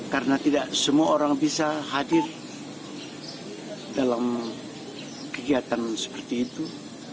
karena tidak semua orang bisa hadir dalam kegiatan seperti itu